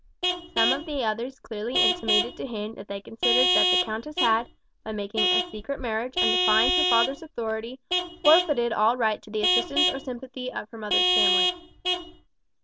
Some of the others clearly intimated to him that they considered that the countess had, by making a secret marriage and defying her father's authority, forfeited all right to the assistance or sympathy of her mother's family.